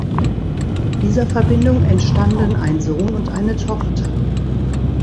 Dieser Verbindung entstanden ein Sohn und eine Tochter.